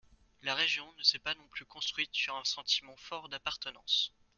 La région ne s’est pas non plus construite sur un sentiment fort d’appartenance.